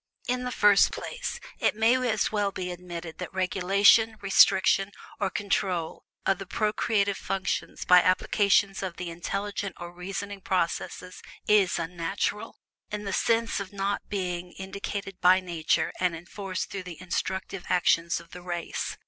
In the first place, it may as well be admitted that regulation, restriction, or control of the procreative functions by application of the intellect or reasoning processes IS unnatural, in the sense of not being indicated by Nature and enforced through the instinctive actions of the race.